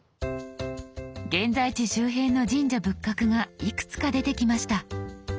現在地周辺の神社仏閣がいくつか出てきました。